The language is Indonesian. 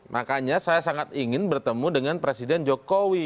makanya saya sangat ingin bertemu dengan presiden jokowi